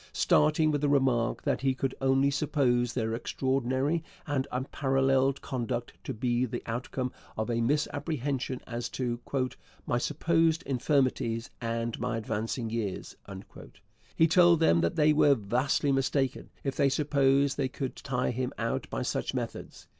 Starting with the remark that he could only suppose their extraordinary and unparalleled conduct to be the outcome of a misapprehension as to 'my supposed infirmities and my advancing years,' he told them that they were vastly mistaken if they supposed they could tire him out by such methods.